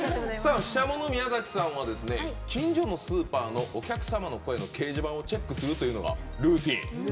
ＳＨＩＳＨＡＭＯの宮崎さんは近所のスーパーのお客様の声の掲示板をチェックするというのがルーティン。